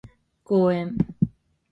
公園